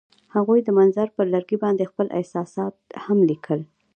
هغوی د منظر پر لرګي باندې خپل احساسات هم لیکل.